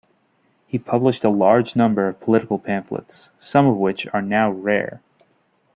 He published a large number of political pamphlets, some of which are now rare.